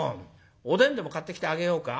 おでんでも買ってきてあげようか」。